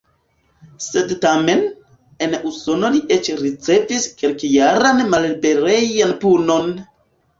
Sed tamen, en Usono li eĉ ricevis kelkjaran malliberejan punon!